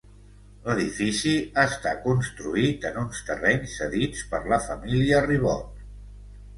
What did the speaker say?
L'edifici està construït en uns terrenys cedits per la família Ribot.